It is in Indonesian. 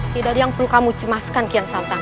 tidak ada yang perlu kamu cemaskan hukian santang